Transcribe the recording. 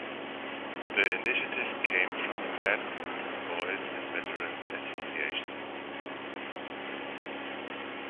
The initiative came from the Bad Blue Boys and veterans associations.